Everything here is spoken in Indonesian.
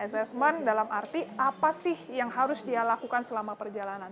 assessment dalam arti apa sih yang harus dia lakukan selama perjalanan